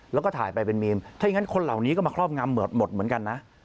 แล้วก็ถ่ายไปเป็นเมมถ้าอย่างนั้นคนเหล่านี้ก็มาครอบงำหมดเหมือนกันนะ